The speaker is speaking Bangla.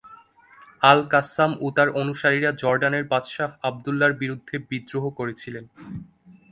আল কাসসাম ও তার অনুসারীরা জর্ডানের বাদশাহ আবদুল্লাহর বিরুদ্ধে বিদ্রোহ করেছিলেন।